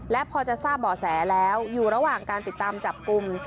และพอจะทราบบ่อแสแล้วอยู่ระหว่างการติดตามจับกลุ่ม